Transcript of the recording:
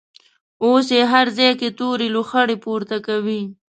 اوس یې هر ځای کې تورې لوخړې پورته کوي.